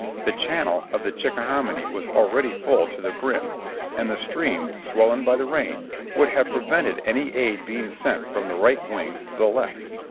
The channel of the Chickahominy was already full to the brim, and the stream, swollen by the rain, would have pre vented any aid being sent from the right wing to the left.